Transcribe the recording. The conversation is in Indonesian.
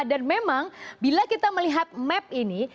dan memang bila kita melihat map ini